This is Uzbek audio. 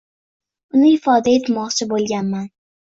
Uni ifoda etmoqchi bo‘lganman.